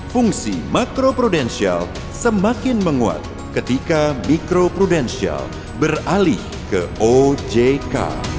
fungsi makro prudensial semakin menguat ketika mikro prudensial beralih ke ojk